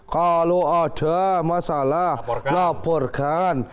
kalau ada masalah laporkan